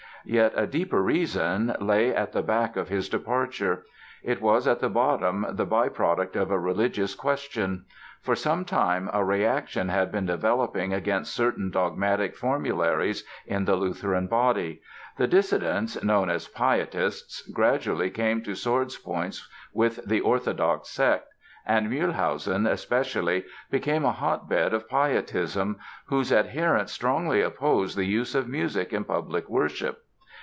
Yet, a deeper reason lay at the back of his departure. It was at the bottom the byproduct of a religious question. For some time a reaction had been developing against certain dogmatic formularies in the Lutheran body. The dissidents, known as Pietists, gradually came to sword's points with the orthodox sect, and Mühlhausen, especially, became a hotbed of Pietism, whose adherents strongly opposed the use of music in public worship.